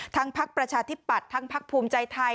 พักประชาธิปัตย์ทั้งพักภูมิใจไทย